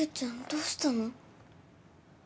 どうしたの？